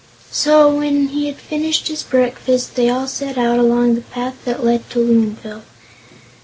So, when he had finished his breakfast, they all set out along the path that led to Loonville.